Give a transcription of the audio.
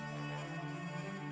perjalanan ke wilayah sawang